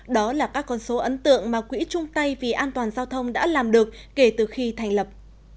đó là các con số ấn tượng mà quỹ trung tây vì an toàn giao thông đã làm được kể từ khi thành lập